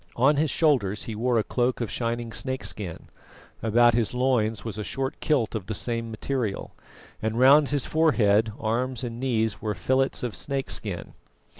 On his shoulders he wore a cloak of shining snakeskin; about his loins was a short kilt of the same material; and round his forehead, arms and knees were fillets of snakeskin.